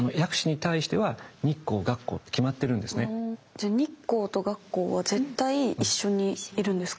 じゃあ日光と月光は絶対一緒にいるんですか？